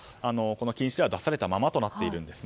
禁止令は出されたままとなっているんです。